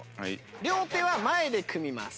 両手は前で組みます。